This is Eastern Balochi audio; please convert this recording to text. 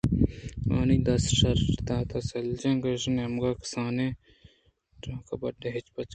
آئی ءَدست شہار دات ءُسلیج ءِ کش ءِنیمگے کسانُکیں کباٹے پچ کُت